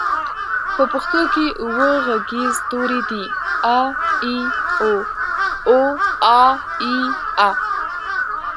په پښتو کې اووه غږيز توري دي: اَ، اِ، اُ، اٗ، اٰ، اٖ، أ.